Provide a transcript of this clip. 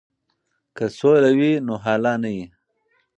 که سوله وي نو هاله نه وي.